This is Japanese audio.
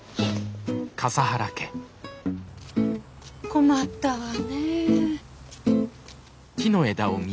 困ったわねえ。